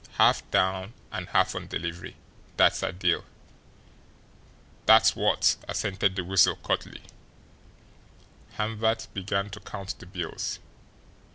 "Half down and half on delivery that's our deal." "Dat's wot!" assented the Weasel curtly. Hamvert began to count the bills.